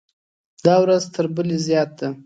دا ورځ تر بلې زیات ده.